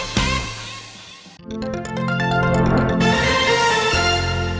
พันธ์ที่สุดท้าย